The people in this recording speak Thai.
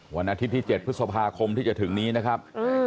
วันอาทิตย์ที่๗พฤษภาคมที่จะถึงนี้นะครับ